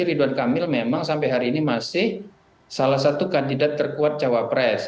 ridwan kamil memang sampai hari ini masih salah satu kandidat terkuat cawapres